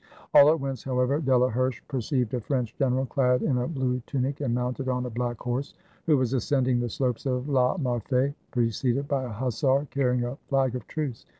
All at once, however, Delaherche perceived a French general, clad in a blue tunic and mounted on a black horse, who was ascending the slopes of La Marfee, pre ceded by a hussar carrying a flag of truce.